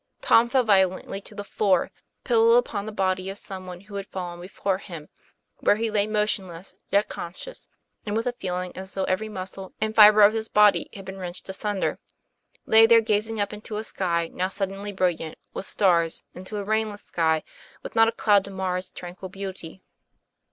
Tom fell violently to the floor, pillowed upon the body of some one who had fallen before him, where he lay motionless, yet con scious, and with a feeling as though every muscle and fibre of his body had been wrenched asunder lay there gazing up into a sky now suddenly brilliant with stars, into a rainless sky with not a cloud to mar its tranquil beauty.